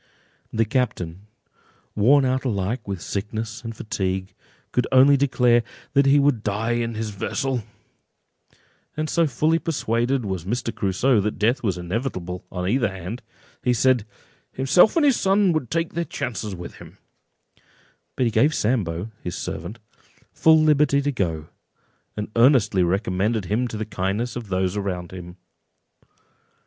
The captain, worn out alike with sickness and fatigue, could only declare—"That he would die in his vessel;" and so fully persuaded was Mr. Crusoe that death was inevitable on either hand, that he said—"Himself and son would take their chance with him;" but he gave Sambo, his servant, full liberty to go; and earnestly recommended him to the kindness of those around him.